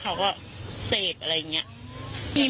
เขาก็เสพอะไรอย่างนี้